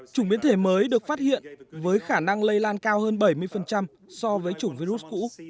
chủng biến thể mới được phát hiện với khả năng lây lan cao hơn bảy mươi so với chủng virus cũ